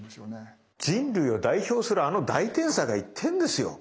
人類を代表するあの大天才が言ってんですよ。